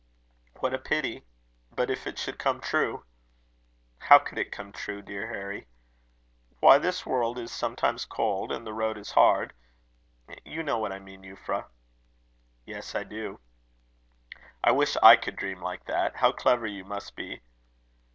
"What a pity! But if it should come true?" "How could it come true, dear Harry?" "Why, this world is sometimes cold, and the road is hard you know what I mean, Euphra." "Yes, I do." "I wish I could dream dreams like that! How clever you must be!"